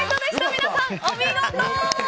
皆さん、お見事！